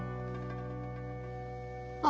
あ。